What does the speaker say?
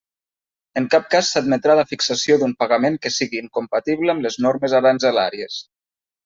En cap cas s'admetrà la fixació d'un pagament que sigui incompatible amb les normes aranzelàries.